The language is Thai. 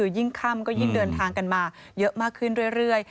ยิ่งค่ำก็ยิ่งเดินทางกันมาเยอะมากขึ้นเรื่อย